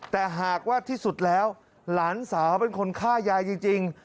แต่หากว่าที่สุดแล้วหลานสาวเป็นคนฆ่ายายจริง